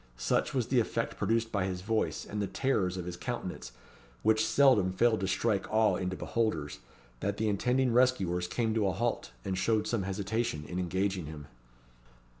Such was the effect produced by his voice, and the terrors of his countenance, which seldom failed to strike awe into beholders, that the intending rescuers came to a halt, and showed some hesitation in engaging him.